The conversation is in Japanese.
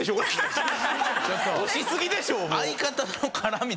押しすぎでしょもう。